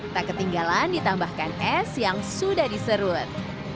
tak ketinggalan ditambahkan es yang sudah diserut